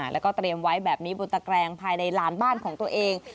แล้วก็เตรียมไว้แบบนี้บนตะแกรงภายในลานบ้านของตัวเอง